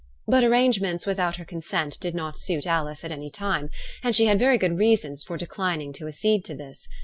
But arrangements without her consent did not suit Alice at any time, and she had very good reasons for declining to accede to this.